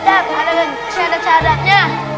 ada kan syahadat syahadatnya